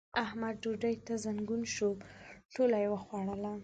احمد ډوډۍ ته زنګون شو؛ ټوله يې وخوړله.